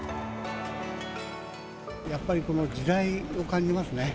やっぱりこの時代を感じますね。